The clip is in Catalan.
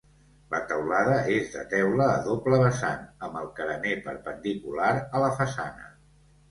La teulada és de teula a doble vessant amb el carener perpendicular a la façana.